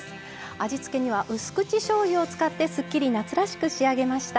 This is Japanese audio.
味付けにはうす口しょうゆを使ってすっきり夏らしく仕上げました。